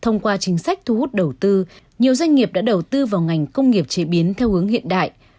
thông qua chính sách thu hút đầu tư nhiều doanh nghiệp đã đầu tư vào ngành công nghiệp chế biến theo hướng hiện đại